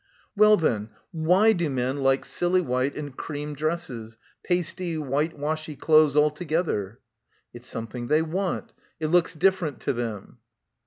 "Well, then, why do men like silly white and cream dresses, pasty, whitewashy clothes alto gether?" "It's something they want; it looks different to them."